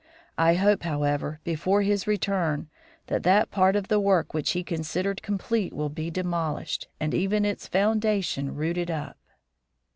I hope, however, before his return that that part of the work which he considered complete will be demolished, and even its foundation rooted up."